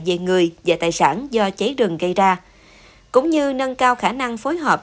về người và tài sản do cháy rừng gây ra cũng như nâng cao khả năng phối hợp